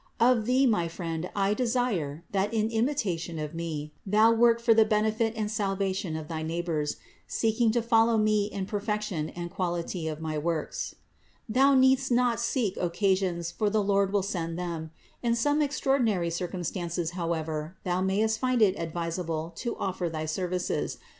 Of thee, my friend, I desire, that in imitation of me, thou work for the benefit and salva tion of thy neighbors, seeking to follow me in the per fection and quality of my works. Thou needst not seek 574 CITY OF GOD occasions, for the Lord will send them. In some extraor dinary circumstances, however, thou mayst find it ad visable to offer thy services.